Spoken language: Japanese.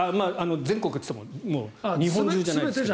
全国といっても日本中じゃないです。